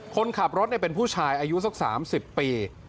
คนขับรถเป็นผู้ชายอายุสัก๓๐ปี